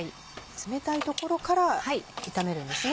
冷たいところから炒めるんですね。